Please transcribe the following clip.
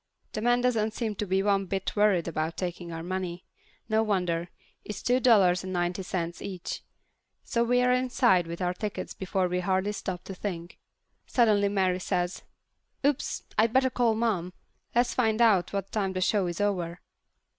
The man doesn't seem to be one bit worried about taking our money. No wonder. It's two dollars and ninety cents each. So we're inside with our tickets before we've hardly stopped to think. Suddenly Mary says, "Oops! I better call Mom! Let's find out what time the show is over."